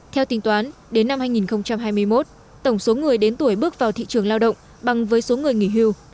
theo tính toán đến năm hai nghìn hai mươi một tổng số người đến tuổi bước vào thị trường lao động bằng với số người nghỉ hưu